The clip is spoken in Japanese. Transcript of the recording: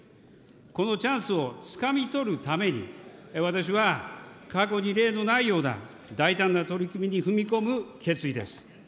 このチャンスをつかみ取るために、私は過去に例のないような大胆な取り組みに踏み込む決意です。